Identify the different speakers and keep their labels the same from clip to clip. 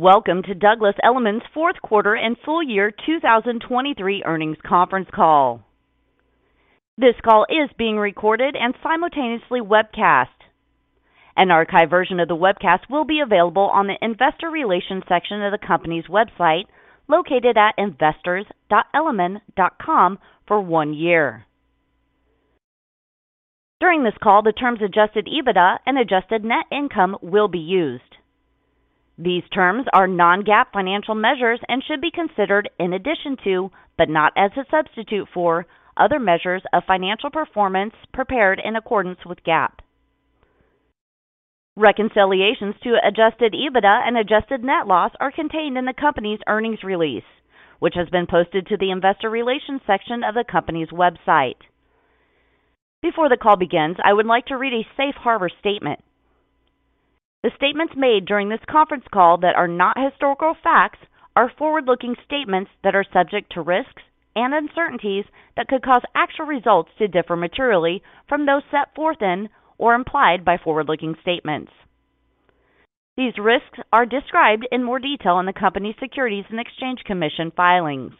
Speaker 1: Welcome to Douglas Elliman's fourth quarter and full year 2023 earnings conference call. This call is being recorded and simultaneously webcast. An archive version of the webcast will be available on the investor relations section of the company's website, located at investors.elliman.com for one year. During this call, the terms Adjusted EBITDA and Adjusted Net Income will be used. These terms are Non-GAAP financial measures and should be considered in addition to, but not as a substitute for, other measures of financial performance prepared in accordance with GAAP. Reconciliations to Adjusted EBITDA and Adjusted Net Loss are contained in the company's earnings release, which has been posted to the investor relations section of the company's website. Before the call begins, I would like to read a Safe Harbor Statement. The statements made during this conference call that are not historical facts are forward-looking statements that are subject to risks and uncertainties that could cause actual results to differ materially from those set forth in or implied by forward-looking statements. These risks are described in more detail in the company's Securities and Exchange Commission filings.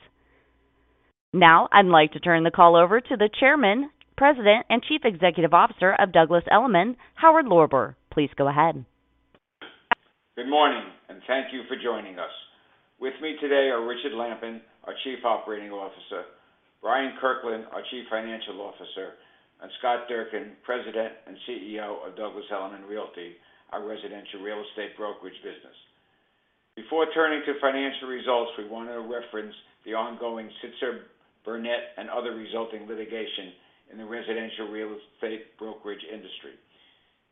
Speaker 1: Now I'd like to turn the call over to the Chairman, President, and Chief Executive Officer of Douglas Elliman, Howard Lorber. Please go ahead.
Speaker 2: Good morning, and thank you for joining us. With me today are Richard Lampen, our Chief Operating Officer, Bryant Kirkland, our Chief Financial Officer, and Scott Durkin, President and CEO of Douglas Elliman Realty, our residential real estate brokerage business. Before turning to financial results, we want to reference the ongoing Sitzer/Burnett and other resulting litigation in the residential real estate brokerage industry.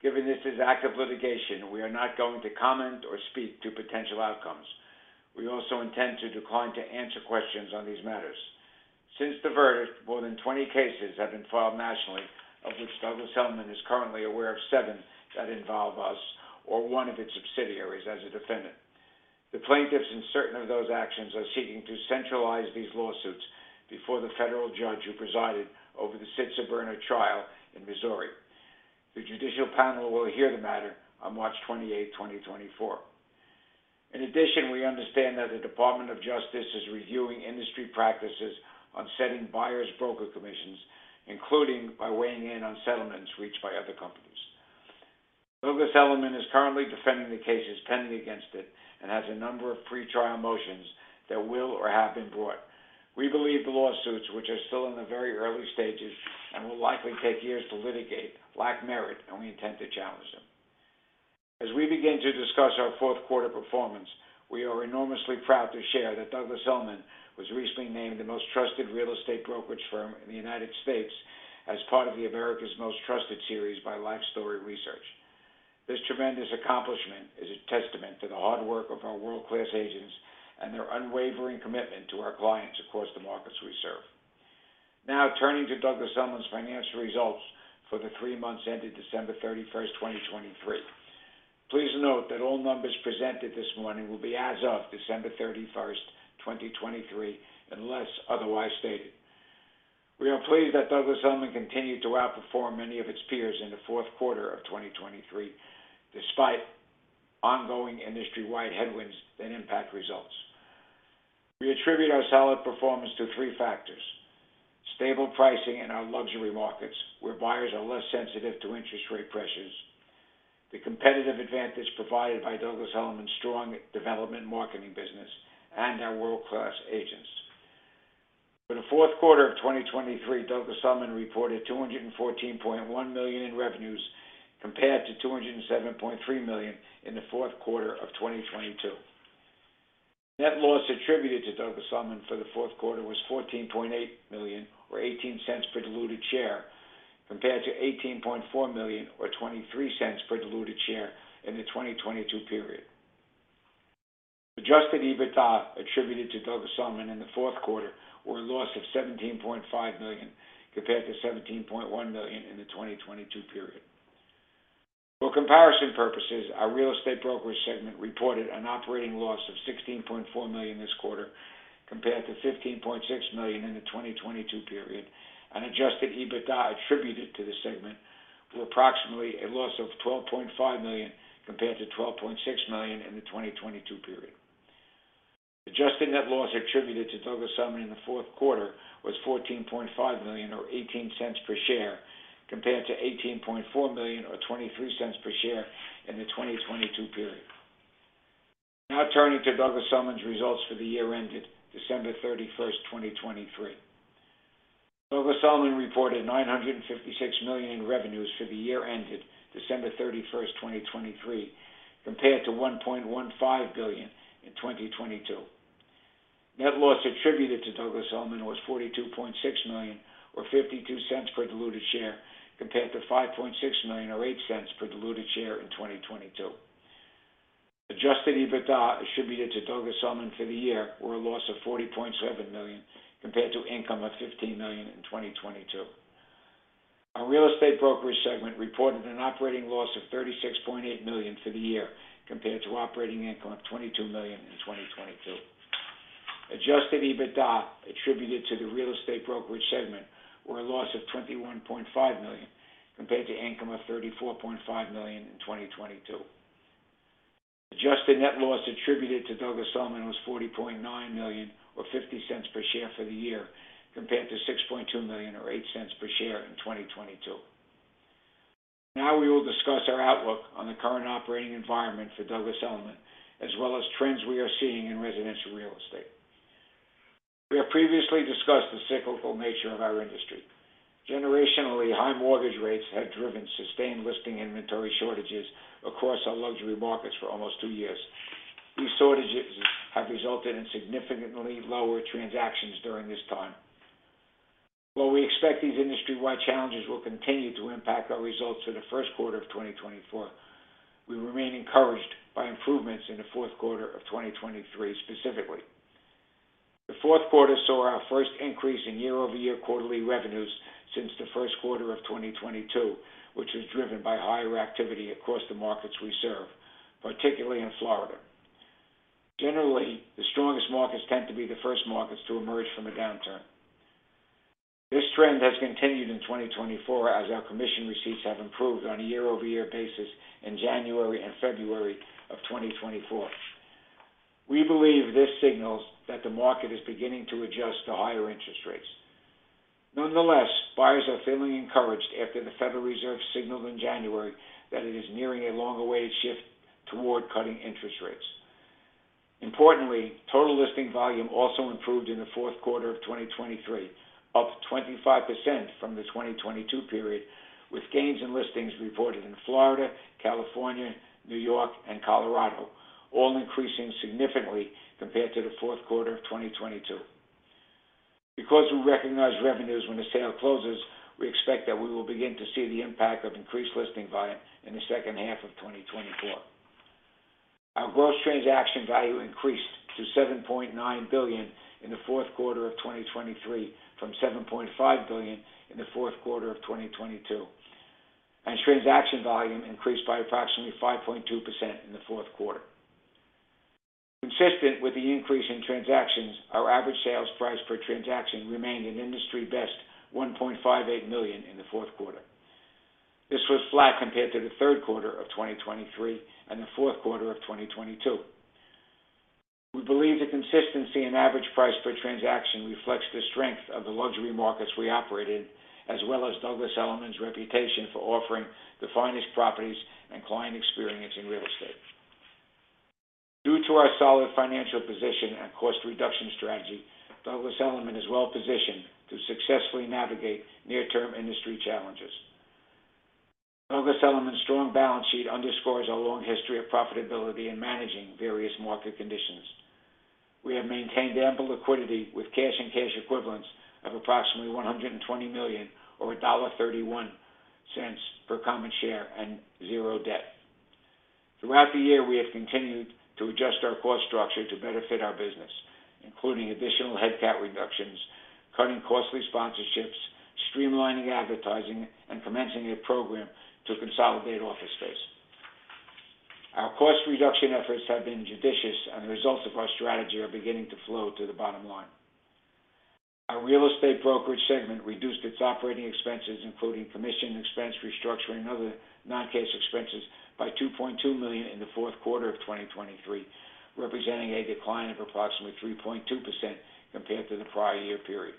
Speaker 2: Given this is active litigation, we are not going to comment or speak to potential outcomes. We also intend to decline to answer questions on these matters. Since the verdict, more than 20 cases have been filed nationally, of which Douglas Elliman is currently aware of 7 that involve us or one of its subsidiaries as a defendant. The plaintiffs, in certain of those actions, are seeking to centralize these lawsuits before the federal judge who presided over the Sitzer/Burnett trial in Missouri. The judicial panel will hear the matter on March 28, 2024. In addition, we understand that the Department of Justice is reviewing industry practices on setting buyers' broker commissions, including by weighing in on settlements reached by other companies. Douglas Elliman is currently defending the cases pending against it and has a number of pretrial motions that will or have been brought. We believe the lawsuits, which are still in the very early stages and will likely take years to litigate, lack merit, and we intend to challenge them. As we begin to discuss our fourth quarter performance, we are enormously proud to share that Douglas Elliman was recently named the most trusted real estate brokerage firm in the United States as part of the America's Most Trusted series by Lifestory Research. This tremendous accomplishment is a testament to the hard work of our world-class agents and their unwavering commitment to our clients across the markets we serve. Now turning to Douglas Elliman's financial results for the three months ended December 31, 2023. Please note that all numbers presented this morning will be as of December 31, 2023, unless otherwise stated. We are pleased that Douglas Elliman continued to outperform many of its peers in the fourth quarter of 2023 despite ongoing industry-wide headwinds that impact results. We attribute our solid performance to three factors: stable pricing in our luxury markets, where buyers are less sensitive to interest rate pressures. The competitive advantage provided by Douglas Elliman's strong development marketing business. And our world-class agents. For the fourth quarter of 2023, Douglas Elliman reported $214.1 million in revenues compared to $207.3 million in the fourth quarter of 2022. Net loss attributed to Douglas Elliman for the fourth quarter was $14.8 million or $0.18 per diluted share compared to $18.4 million or $0.23 per diluted share in the 2022 period. Adjusted EBITDA attributed to Douglas Elliman in the fourth quarter were a loss of $17.5 million compared to $17.1 million in the 2022 period. For comparison purposes, our real estate brokerage segment reported an operating loss of $16.4 million this quarter compared to $15.6 million in the 2022 period. An Adjusted EBITDA attributed to this segment were approximately a loss of $12.5 million compared to $12.6 million in the 2022 period. Adjusted Net Loss attributed to Douglas Elliman in the fourth quarter was $14.5 million or $0.18 per share compared to $18.4 million or $0.23 per share in the 2022 period. Now turning to Douglas Elliman's results for the year ended December 31, 2023. Douglas Elliman reported $956 million in revenues for the year ended December 31, 2023, compared to $1.15 billion in 2022. Net loss attributed to Douglas Elliman was $42.6 million or $0.52 per diluted share compared to $5.6 million or $0.08 per diluted share in 2022. Adjusted EBITDA attributed to Douglas Elliman for the year were a loss of $40.7 million compared to income of $15 million in 2022. Our real estate brokerage segment reported an operating loss of $36.8 million for the year compared to operating income of $22 million in 2022. Adjusted EBITDA attributed to the real estate brokerage segment were a loss of $21.5 million compared to income of $34.5 million in 2022. Adjusted Net Loss attributed to Douglas Elliman was $40.9 million or $0.50 per share for the year compared to $6.2 million or $0.08 per share in 2022. Now we will discuss our outlook on the current operating environment for Douglas Elliman as well as trends we are seeing in residential real estate. We have previously discussed the cyclical nature of our industry. Generationally, high mortgage rates have driven sustained listing inventory shortages across our luxury markets for almost two years. These shortages have resulted in significantly lower transactions during this time. While we expect these industry-wide challenges will continue to impact our results for the first quarter of 2024, we remain encouraged by improvements in the fourth quarter of 2023 specifically. The fourth quarter saw our first increase in year-over-year quarterly revenues since the first quarter of 2022, which was driven by higher activity across the markets we serve, particularly in Florida. Generally, the strongest markets tend to be the first markets to emerge from a downturn. This trend has continued in 2024 as our commission receipts have improved on a year-over-year basis in January and February of 2024. We believe this signals that the market is beginning to adjust to higher interest rates. Nonetheless, buyers are feeling encouraged after the Federal Reserve signaled in January that it is nearing a long-awaited shift toward cutting interest rates. Importantly, total listing volume also improved in the fourth quarter of 2023, up 25% from the 2022 period, with gains in listings reported in Florida, California, New York, and Colorado, all increasing significantly compared to the fourth quarter of 2022. Because we recognize revenues when a sale closes, we expect that we will begin to see the impact of increased listing volume in the second half of 2024. Our gross transaction value increased to $7.9 billion in the fourth quarter of 2023 from $7.5 billion in the fourth quarter of 2022. Transaction volume increased by approximately 5.2% in the fourth quarter. Consistent with the increase in transactions, our average sales price per transaction remained in industry-best $1.58 million in the fourth quarter. This was flat compared to the third quarter of 2023 and the fourth quarter of 2022. We believe the consistency in average price per transaction reflects the strength of the luxury markets we operate in as well as Douglas Elliman's reputation for offering the finest properties and client experience in real estate. Due to our solid financial position and cost reduction strategy, Douglas Elliman is well positioned to successfully navigate near-term industry challenges. Douglas Elliman's strong balance sheet underscores our long history of profitability in managing various market conditions. We have maintained ample liquidity with cash and cash equivalents of approximately $120 million or $1.31 per common share and zero debt. Throughout the year, we have continued to adjust our cost structure to benefit our business, including additional headcount reductions, cutting costly sponsorships, streamlining advertising, and commencing a program to consolidate office space. Our cost reduction efforts have been judicious, and the results of our strategy are beginning to flow to the bottom line. Our real estate brokerage segment reduced its operating expenses, including commission, expense restructuring, and other non-cash expenses, by $2.2 million in the fourth quarter of 2023, representing a decline of approximately 3.2% compared to the prior year period.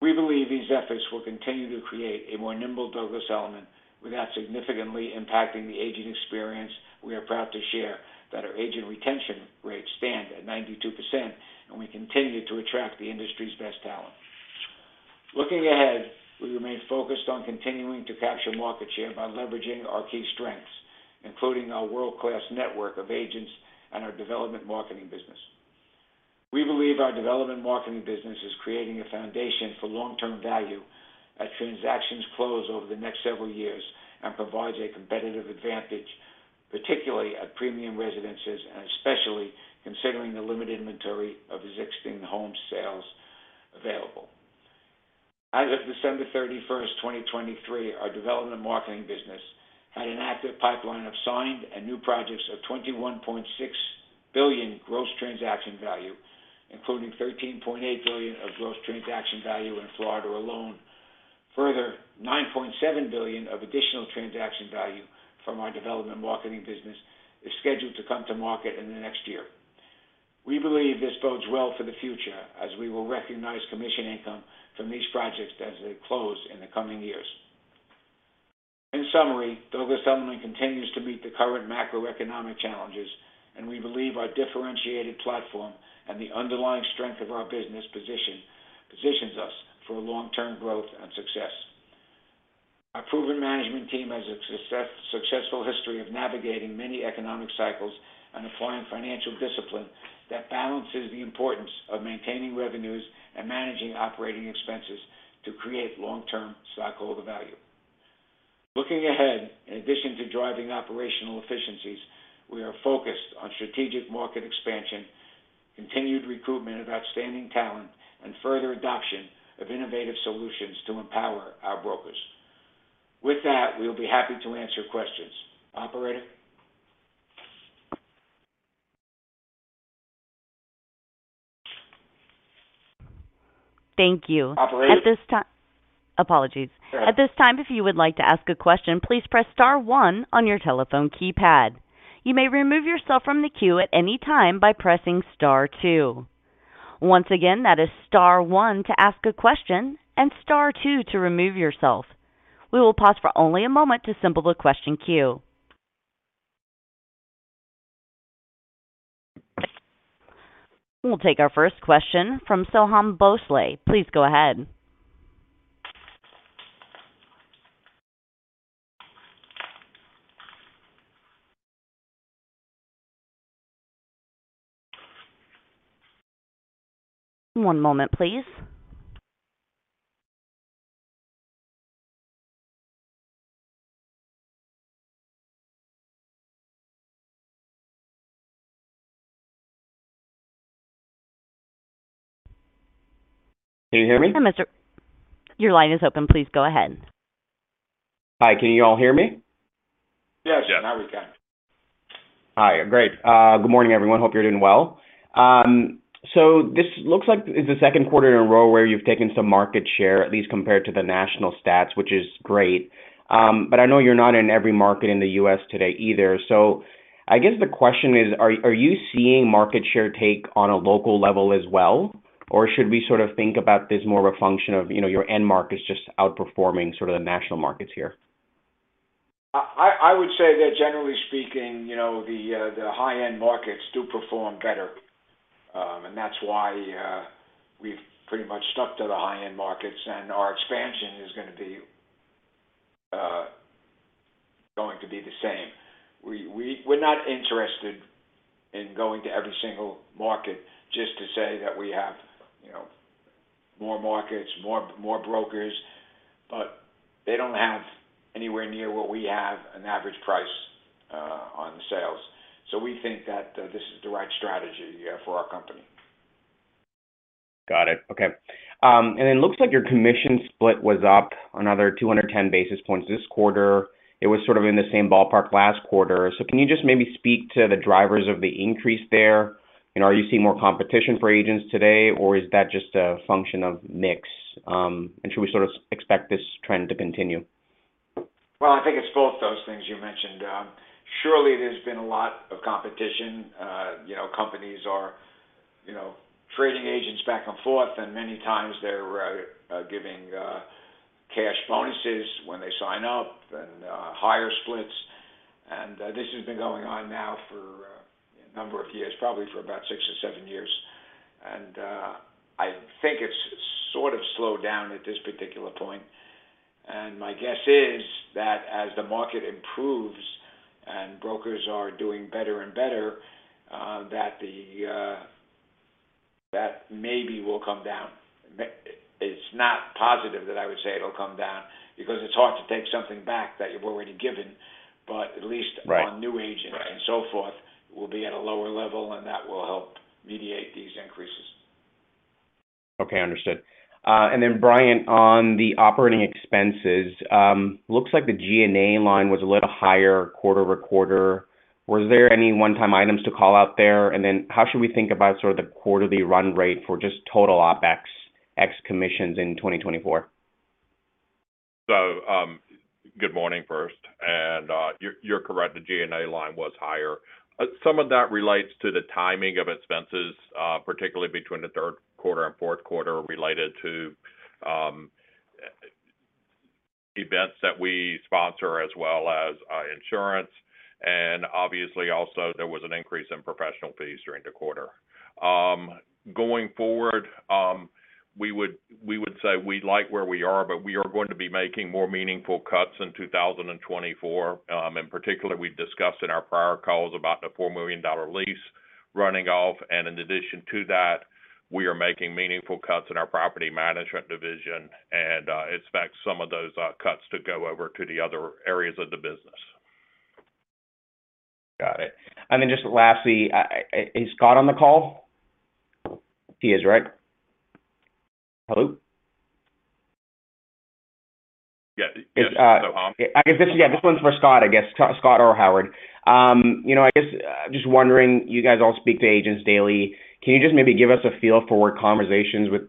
Speaker 2: We believe these efforts will continue to create a more nimble Douglas Elliman without significantly impacting the agent experience we are proud to share, that our agent retention rates stand at 92%, and we continue to attract the industry's best talent. Looking ahead, we remain focused on continuing to capture market share by leveraging our key strengths, including our world-class network of agents and our development marketing business. We believe our development marketing business is creating a foundation for long-term value at transactions close over the next several years and provides a competitive advantage, particularly at premium residences and especially considering the limited inventory of existing home sales available. As of December 31, 2023, our development marketing business had an active pipeline of signed and new projects of $21.6 billion gross transaction value, including $13.8 billion of gross transaction value in Florida alone. Further, $9.7 billion of additional transaction value from our development marketing business is scheduled to come to market in the next year. We believe this bodes well for the future as we will recognize commission income from these projects as they close in the coming years. In summary, Douglas Elliman continues to meet the current macroeconomic challenges, and we believe our differentiated platform and the underlying strength of our business positions us for long-term growth and success. Our proven management team has a successful history of navigating many economic cycles and applying financial discipline that balances the importance of maintaining revenues and managing operating expenses to create long-term stockholder value. Looking ahead, in addition to driving operational efficiencies, we are focused on strategic market expansion, continued recruitment of outstanding talent, and further adoption of innovative solutions to empower our brokers. With that, we will be happy to answer questions. Operator?
Speaker 1: Thank you.
Speaker 2: Operator?
Speaker 1: At this time, apologies.
Speaker 2: Go ahead.
Speaker 1: At this time, if you would like to ask a question, please press star one on your telephone keypad. You may remove yourself from the queue at any time by pressing star two. Once again, that is star one to ask a question and star two to remove yourself. We will pause for only a moment to assemble the question queue. We'll take our first question from Soham Bhonsle. Please go ahead. One moment, please.
Speaker 3: Can you hear me?
Speaker 1: Hi, Mr. your line is open. Please go ahead.
Speaker 3: Hi. Can you all hear me?
Speaker 2: Yes.
Speaker 3: Yes.
Speaker 2: Now we can.
Speaker 3: Hi. Great. Good morning, everyone. Hope you're doing well. So this looks like it's the second quarter in a row where you've taken some market share, at least compared to the national stats, which is great. But I know you're not in every market in the U.S. today either. So I guess the question is, are you seeing market share take on a local level as well, or should we sort of think about this more of a function of your end markets just outperforming sort of the national markets here?
Speaker 2: I would say that, generally speaking, the high-end markets do perform better. That's why we've pretty much stuck to the high-end markets, and our expansion is going to be the same. We're not interested in going to every single market just to say that we have more markets, more brokers. But they don't have anywhere near what we have an average price on sales. So we think that this is the right strategy for our company.
Speaker 3: Got it. Okay. And it looks like your commission split was up another 210 basis points this quarter. It was sort of in the same ballpark last quarter. So can you just maybe speak to the drivers of the increase there? Are you seeing more competition for agents today, or is that just a function of mix? And should we sort of expect this trend to continue?
Speaker 2: Well, I think it's both those things you mentioned. Surely, there's been a lot of competition. Companies are trading agents back and forth, and many times they're giving cash bonuses when they sign up and higher splits. And this has been going on now for a number of years, probably for about six or seven years. And I think it's sort of slowed down at this particular point. And my guess is that as the market improves and brokers are doing better and better, that maybe will come down. It's not positive that I would say it'll come down because it's hard to take something back that you've already given. But at least on new agents and so forth, we'll be at a lower level, and that will help mitigate these increases.
Speaker 3: Okay. Understood. And then, Bryant, on the operating expenses, looks like the G&A line was a little higher quarter-over-quarter. Were there any one-time items to call out there? And then how should we think about sort of the quarterly run rate for just total OpEx, ex-commissions in 2024?
Speaker 4: So, good morning, first. You're correct. The G&A line was higher. Some of that relates to the timing of expenses, particularly between the third quarter and fourth quarter, related to events that we sponsor as well as insurance. Obviously, also, there was an increase in professional fees during the quarter. Going forward, we would say we like where we are, but we are going to be making more meaningful cuts in 2024. In particular, we've discussed in our prior calls about the $4 million lease running off. In addition to that, we are making meaningful cuts in our property management division and expect some of those cuts to go over to the other areas of the business.
Speaker 3: Got it. And then just lastly, is Scott on the call? He is, right? Hello?
Speaker 4: Yeah. Is Soham?
Speaker 3: Yeah. This one's for Scott or Howard. I guess just wondering, you guys all speak to agents daily. Can you just maybe give us a feel for what conversations with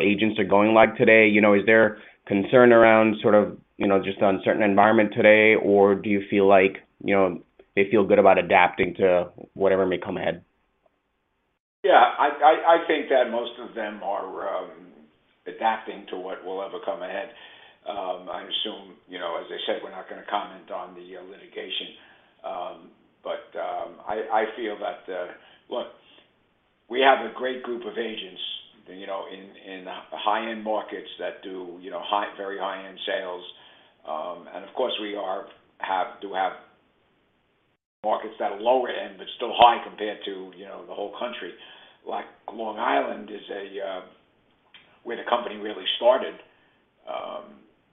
Speaker 3: agents are going like today? Is there concern around sort of just the uncertain environment today, or do you feel like they feel good about adapting to whatever may come ahead?
Speaker 2: Yeah. I think that most of them are adapting to what will ever come ahead. I assume, as I said, we're not going to comment on the litigation. But I feel that, look, we have a great group of agents in high-end markets that do very high-end sales. And of course, we do have markets that are lower-end but still high compared to the whole country. Long Island, where the company really started,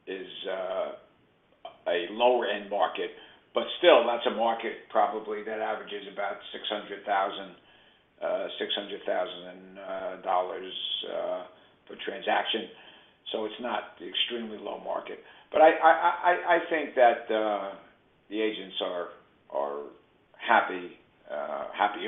Speaker 2: is a lower-end market. But still, that's a market probably that averages about $600,000 per transaction. So it's not the extremely low market. But I think that the agents are happy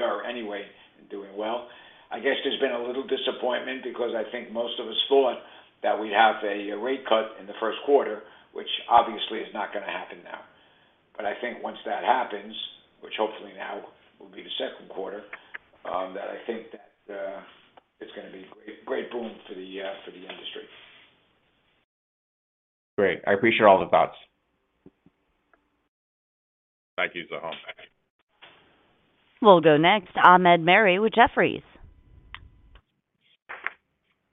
Speaker 2: or anyway doing well. I guess there's been a little disappointment because I think most of us thought that we'd have a rate cut in the first quarter, which obviously is not going to happen now. But I think once that happens, which hopefully now will be the second quarter, that I think that it's going to be a great boom for the industry.
Speaker 3: Great. I appreciate all the thoughts.
Speaker 4: Thank you, Soham.
Speaker 1: We'll go next, Ahmed Mary with Jefferies.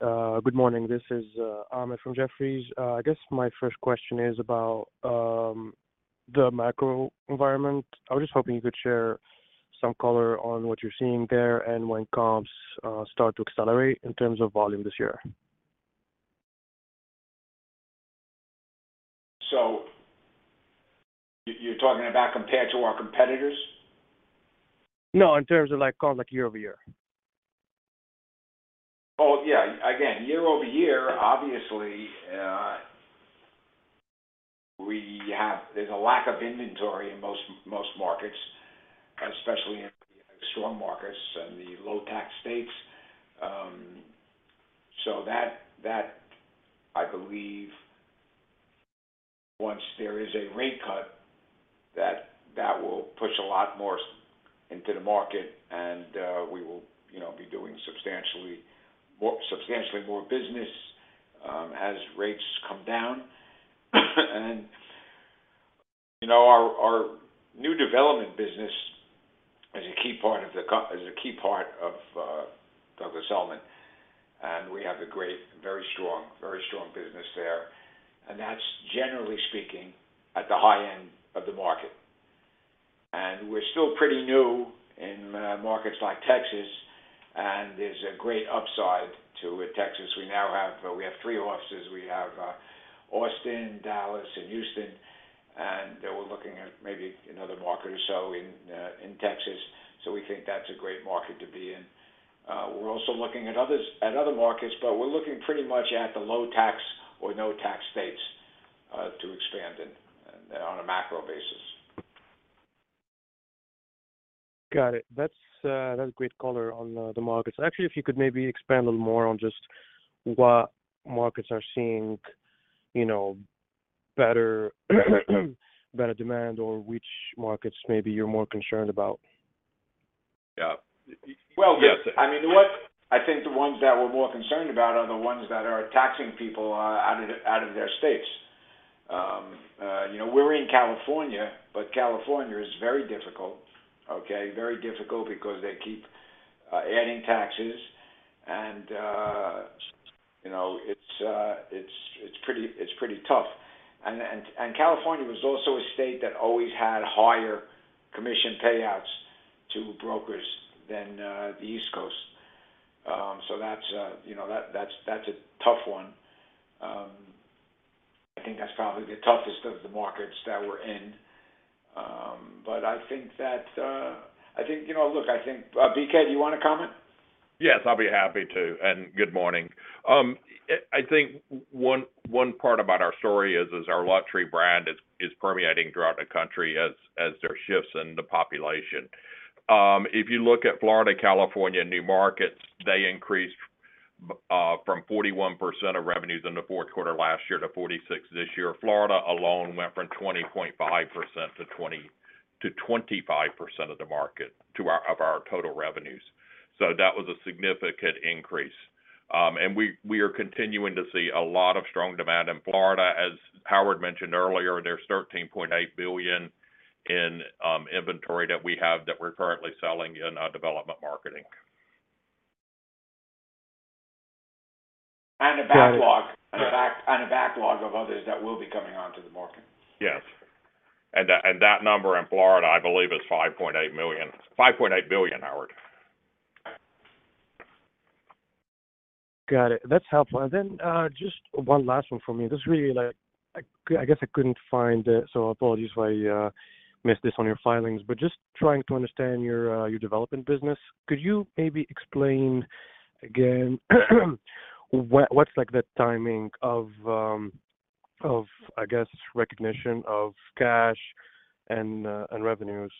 Speaker 5: Good morning. This is Ahmed from Jefferies. I guess my first question is about the macro environment. I was just hoping you could share some color on what you're seeing there and when comps start to accelerate in terms of volume this year.
Speaker 2: You're talking about compared to our competitors?
Speaker 5: No. In terms of comps year-over-year.
Speaker 2: Oh, yeah. Again, year-over-year, obviously, there's a lack of inventory in most markets, especially in the strong markets and the low-tax states. So that, I believe, once there is a rate cut, that will push a lot more into the market, and we will be doing substantially more business as rates come down. Our new development business is a key part of the as a key part of Douglas Elliman. We have a great, very strong, very strong business there. That's, generally speaking, at the high end of the market. We're still pretty new in markets like Texas, and there's a great upside to Texas. We have three offices. We have Austin, Dallas, and Houston. We're looking at maybe another market or so in Texas. We think that's a great market to be in. We're also looking at other markets, but we're looking pretty much at the low-tax or no-tax states to expand in on a macro basis.
Speaker 5: Got it. That's great color on the markets. Actually, if you could maybe expand a little more on just what markets are seeing better demand or which markets maybe you're more concerned about?
Speaker 2: Yeah. Well, yes. I mean, I think the ones that we're more concerned about are the ones that are taxing people out of their states. We're in California, but California is very difficult, okay, very difficult because they keep adding taxes. And it's pretty tough. And California was also a state that always had higher commission payouts to brokers than the East Coast. So that's a tough one. I think that's probably the toughest of the markets that we're in. But I think that I think, look, I think BK, do you want to comment?
Speaker 4: Yes. I'll be happy to. Good morning. I think one part about our story is our Elliman brand is permeating throughout the country as there are shifts in the population. If you look at Florida, California, and new markets, they increased from 41% of revenues in the fourth quarter last year to 46% this year. Florida alone went from 20.5%-25% of the market of our total revenues. So that was a significant increase. We are continuing to see a lot of strong demand in Florida. As Howard mentioned earlier, there's $13.8 billion in inventory that we have that we're currently selling in development marketing.
Speaker 2: A backlog and a backlog of others that will be coming onto the market.
Speaker 4: Yes. And that number in Florida, I believe, is $5.8 million. $5.8 billion, Howard.
Speaker 5: Got it. That's helpful. And then just one last one for me. I guess I couldn't find the so apologies if I missed this on your filings. But just trying to understand your development business, could you maybe explain again what's the timing of, I guess, recognition of cash and revenues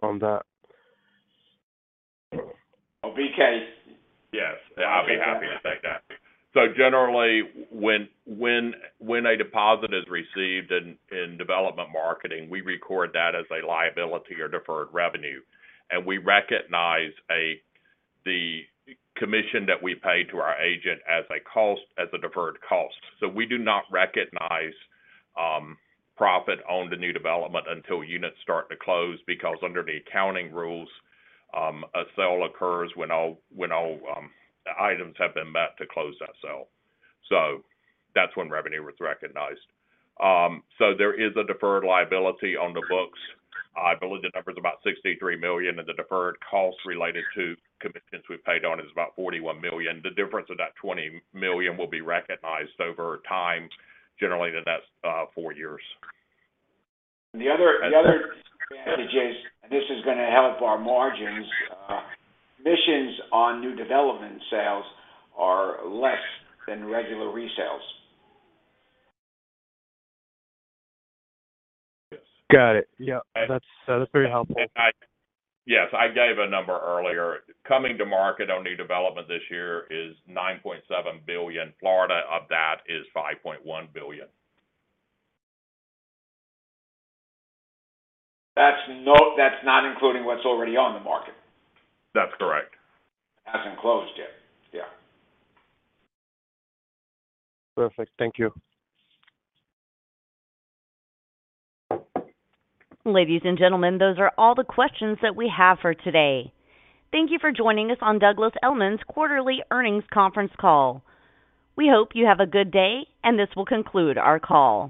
Speaker 5: on that?
Speaker 2: Oh, BK?
Speaker 4: Yes. I'll be happy to take that. So generally, when a deposit is received in development marketing, we record that as a liability or deferred revenue. And we recognize the commission that we pay to our agent as a deferred cost. So we do not recognize profit owned to new development until units start to close because under the accounting rules, a sale occurs when all items have been met to close that sale. So that's when revenue was recognized. So there is a deferred liability on the books. I believe the number is about $63 million. And the deferred cost related to commissions we've paid on is about $41 million. The difference of that $20 million will be recognized over time. Generally, that's 4 years.
Speaker 2: The other thing, Jay, and this is going to help our margins, commissions on new development sales are less than regular resales.
Speaker 4: Yes.
Speaker 5: Got it. Yeah. That's very helpful.
Speaker 4: Yes. I gave a number earlier. Coming to market on new development this year is $9.7 billion. Florida, of that is $5.1 billion.
Speaker 2: That's not including what's already on the market?
Speaker 4: That's correct.
Speaker 2: Hasn't closed yet. Yeah.
Speaker 5: Perfect. Thank you.
Speaker 1: Ladies and gentlemen, those are all the questions that we have for today. Thank you for joining us on Douglas Elliman's quarterly earnings conference call. We hope you have a good day, and this will conclude our call.